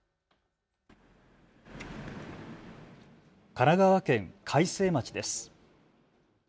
神奈川県開成町です。